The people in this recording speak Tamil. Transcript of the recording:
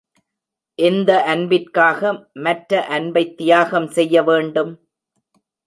எந்த அன்பிற்காக மற்ற அன்பைத் தியாகம் செய்ய வேண்டும்?